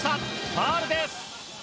ファウルです。